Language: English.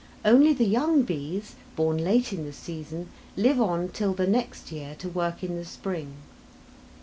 Only the young bees, born late in the season, live on till the next year to work in the spring.